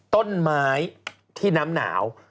ต้นไม้ที่น้ำหนาว